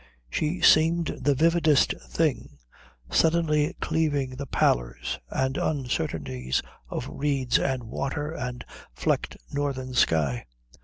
She seemed the vividest thing, suddenly cleaving the pallors and uncertainties of reeds and water and flecked northern sky.